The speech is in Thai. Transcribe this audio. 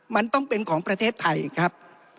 มันต้องเป็นของประเทศไทยครับ